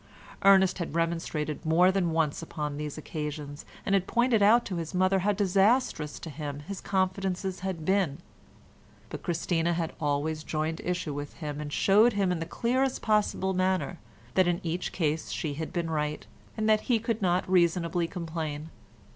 Ernest had remonstrated more than once upon these occasions, and had pointed out to his mother how disastrous to him his confidences had been, but Christina had always joined issue with him and showed him in the clearest possible manner that in each case she had been right, and that he could not reasonably complain.